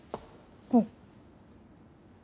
うん。